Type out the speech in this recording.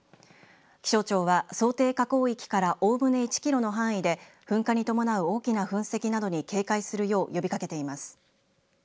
気象庁は想定火口域からおおむね１ｋｍの範囲で噴火に伴う大きな噴石などに警戒するよう呼びかけています。